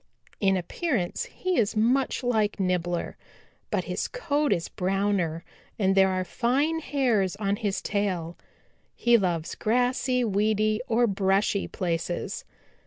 In appearance he is much like Nibbler, but his coat is browner and there are fine hairs on his tail. He loves grassy, weedy or brushy places.